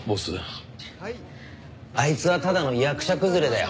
あいつはただの役者崩れだよ。